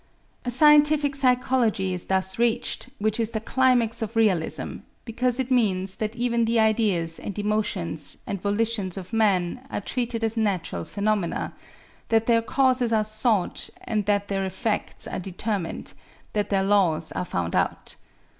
A scientific psychology is thus reached which is the climax of realism, because it means that even the ideas and emotions and volitions of man are treated as natural phenomena, that their causes are sought and that their effects are determined, that their laws are found out.